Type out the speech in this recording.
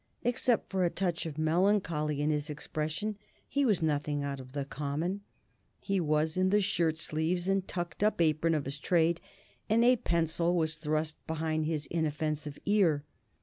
Except for a touch of melancholy in his expression, he was nothing out of the common. He was in the shirt sleeves and tucked up apron of his trade, and a pencil was thrust behind his inoffensive ear.